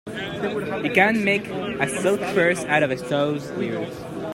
You can't make a silk purse out of a sow's ear.